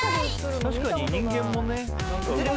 確かに人間もねうつる。